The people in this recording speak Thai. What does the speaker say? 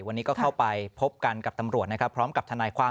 วันนี้ก็เข้าไปพบกันกับตำรวจนะครับพร้อมกับทนายความ